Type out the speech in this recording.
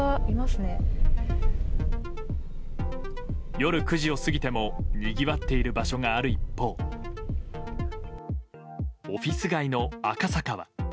夜９時を過ぎてもにぎわっている場所がある一方オフィス街の赤坂は。